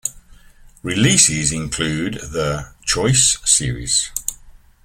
Releases included the "Choice" series.